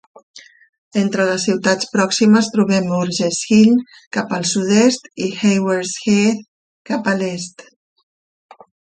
Entre les ciutats pròximes trobem Burgess Hill cap al sud-est i Haywards Heath cap a l'est.